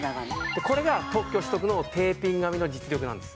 でこれが特許取得のテーピング編みの実力なんです。